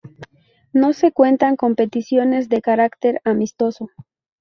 No se cuentan competiciones de carácter amistoso.